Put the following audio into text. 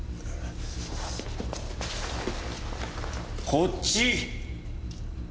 こっち！